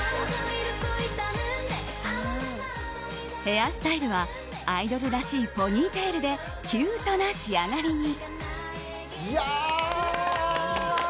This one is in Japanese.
ヘアスタイルはアイドルらしいポニーテールでキュートな仕上がりに。